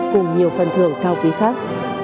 cùng nhiều phần thưởng cao quý khác